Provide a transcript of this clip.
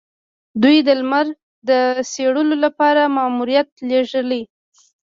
دوی د لمر د څیړلو لپاره ماموریت لیږلی.